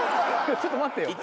ちょっと待ってよ！